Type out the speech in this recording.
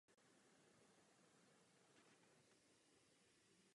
Je to malování obrázků a keramická tvorba.